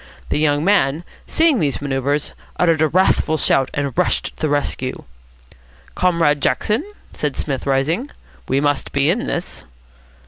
The young man, seeing these manoeuvres, uttered a wrathful shout, and rushed to the rescue. "Comrade Jackson," said Psmith, rising, "we must be in this."